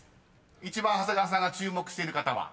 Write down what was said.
［一番長谷川さんが注目してる方は？］